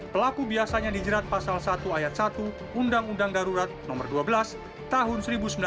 pelaku biasanya dijerat pasal satu ayat satu undang undang darurat nomor dua belas tahun seribu sembilan ratus sembilan puluh